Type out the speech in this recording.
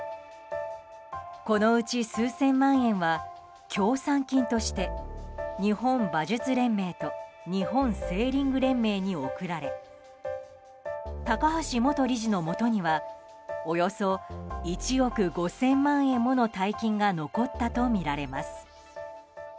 このうち数千万円は協賛金として日本馬術連盟と日本セーリング連盟に送られ高橋元理事のもとにはおよそ１億５０００万円もの大金が残ったとみられます。